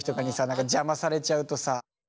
何か邪魔されちゃうとさ。